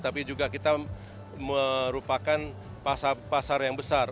tapi juga kita merupakan pasar yang besar